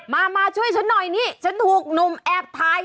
มามาช่วยฉันหน่อยนี่ฉันถูกหนุ่มแอบถ่าย